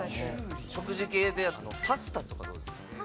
食事系でパスタとかどうですか？